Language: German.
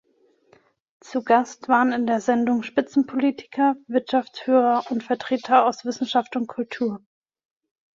Zu Gast waren in der Sendung Spitzenpolitiker, Wirtschaftsführer und Vertreter aus Wissenschaft und Kultur.